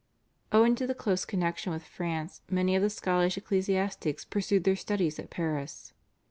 Owing to the close connexion with France many of the Scottish ecclesiastics pursued their studies at Paris.